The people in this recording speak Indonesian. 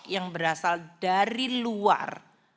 yang berasal dari luar